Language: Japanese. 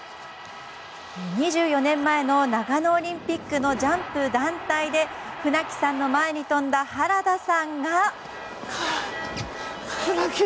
２４年前の長野オリンピックのジャンプ団体で船木さんの前に飛んだ原田さんが。